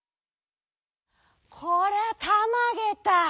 「こりゃたまげた。